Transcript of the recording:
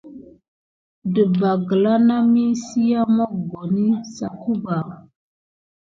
Ɗəɓɑ gla nami siya mokoni sakuba.